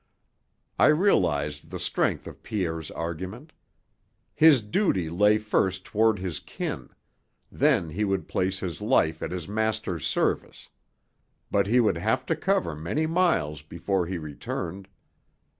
I realized the strength of Pierre's argument. His duty lay first toward his kin; then he would place his life at his master's service. But he would have to cover many miles before he returned.